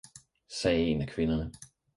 sagde en af kvinderne.